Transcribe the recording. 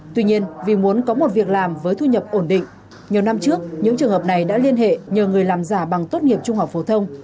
tuy nhiên vì muốn có một việc làm với thu nhập ổn định nhiều năm trước những trường hợp này đã liên hệ nhờ người làm giả bằng tốt nghiệp trung học phổ thông